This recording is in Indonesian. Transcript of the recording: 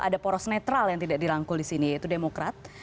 ada poros netral yang tidak dirangkul di sini yaitu demokrat